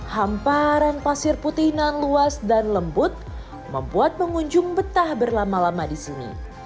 hamparan pasir putih nan luas dan lembut membuat pengunjung betah berlama lama di sini